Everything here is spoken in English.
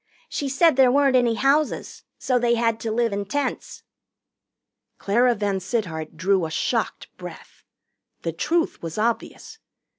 She said there weren't any houses, so they had to live in tents." Clara VanSittart drew a shocked breath. The truth was obvious.